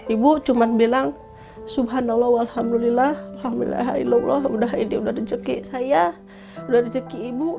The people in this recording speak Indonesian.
ibu cuma bilang subhanallah alhamdulillah alhamdulillah illallah udah rezeki saya udah rezeki ibu